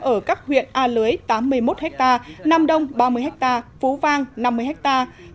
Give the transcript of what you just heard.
ở các huyện a lưới tám mươi một hectare nam đông ba mươi hectare phú vang năm mươi hectare